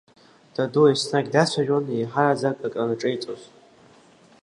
Даду еснагь дацәажәон, еиҳараӡак акранаҿеиҵоз.